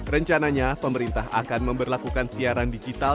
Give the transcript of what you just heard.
rencananya pemerintah akan memperlakukan siaran digital